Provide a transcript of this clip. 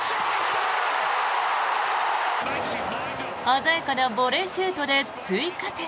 鮮やかなボレーシュートで追加点。